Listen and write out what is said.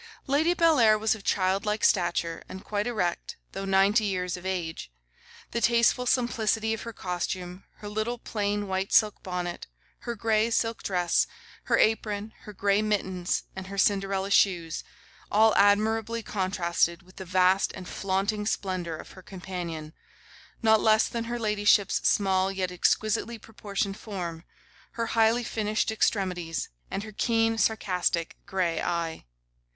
Lady Bellair was of childlike stature, and quite erect, though ninety years of age; the tasteful simplicity of her costume, her little plain white silk bonnet, her grey silk dress, her apron, her grey mittens, and her Cinderella shoes, all admirably contrasted with the vast and flaunting splendour of her companion, not less than her ladyship's small yet exquisitely proportioned form, her highly finished extremities, and her keen sarcastic grey eye.